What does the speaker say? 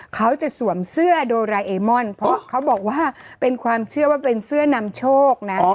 เขาจะสวมเสื้อโดราเอมอนเพราะเขาบอกว่าเป็นความเชื่อว่าเป็นเสื้อนำโชคนะ